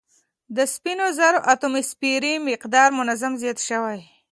د سپینو زرو اتوموسفیري مقدار منظم زیات شوی